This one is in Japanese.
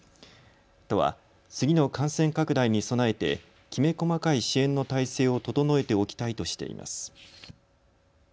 都は次の感染拡大に備えてきめ細かい支援の体制を整えておきたいとしています。